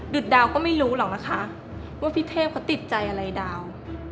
ดาวก็ไม่รู้หรอกนะคะว่าพี่เทพเขาติดใจอะไรดาว